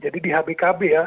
jadi di hbkb ya